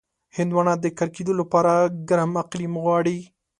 هندوانه د کر کېدو لپاره ګرم اقلیم غواړي.